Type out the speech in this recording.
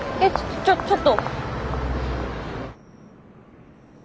ちょちょっと。